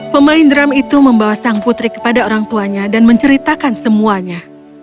pemain drum itu membawa sang putri kepada orang tuanya dan menceritakan semuanya